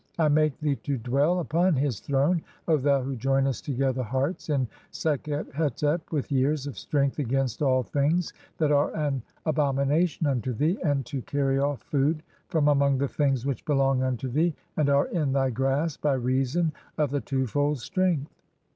I make "thee to (6) dwell (?) upon his throne, Q thou who joinest to gether hearts (hatii) [in Sekhet hetep (with) years] of strength "against all things that are an abomination unto thee, and to "carry off (7) food from among the things which belong unto thee, "and are in thy grasp by reason of thy two fold strength.